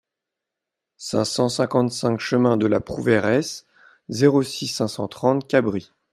cinq cent cinquante-cinq chemin de la Prouveiresse, zéro six, cinq cent trente, Cabris